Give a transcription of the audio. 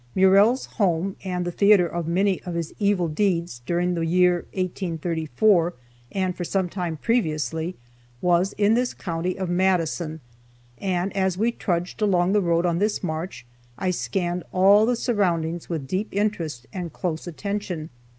Murrell's home, and the theater of many of his evil deeds, during the year 1834, and for some time previously, was in this county of Madison, and as we trudged along the road on this march I scanned all the surroundings with deep interest and close attention.